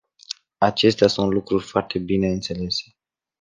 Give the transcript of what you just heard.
Acestea sunt lucruri foarte bine înțelese.